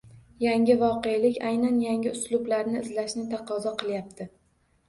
Yangi voqelik aynan yangi uslublarni izlashni taqozo qilyapti.